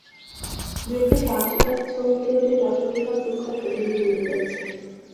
দু-একটা সাহসী কাক ছোঁ মেরে মেরে রসগোল্লার টুকরা ঠোঁটে নিয়ে উড়ে যাচ্ছে।